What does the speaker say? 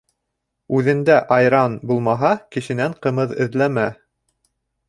Үҙендә айран булмаһа, кешенән ҡымыҙ эҙләмә.